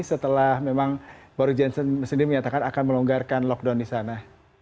setelah memang baru jensen sendiri menyatakan akan melonggarkan lockdown di sana